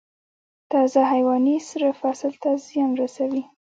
تازه حیواني سره فصل ته زیان رسوي؟